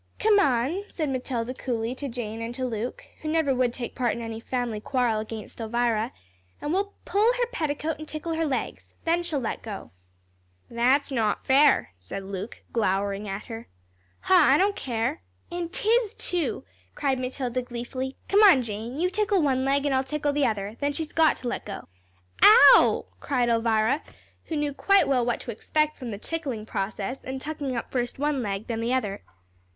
"Come on," said Matilda, coolly, to Jane, and to Luke, who never would take part in any family quarrel against Elvira, "and we'll pull her petticoat and tickle her legs. Then she'll let go." "That's not fair," said Luke, glowering at her. "Huh, I don't care." "An' 'tis, too," cried Matilda, gleefully. "Come on, Jane, you tickle one leg, and I'll tickle the other, and then she's got to let go." "Ow," cried Elvira, who knew quite well what to expect from the tickling process, and tucking up first one leg, then the other.